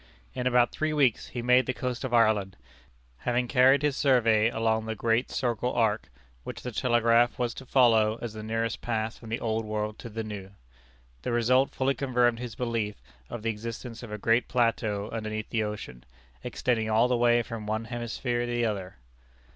In about three weeks he made the coast of Ireland, having carried his survey along the great circle arc, which the telegraph was to follow as the nearest path from the old world to the new. The result fully confirmed his belief of the existence of a great plateau underneath the ocean, extending all the way from one hemisphere to the other.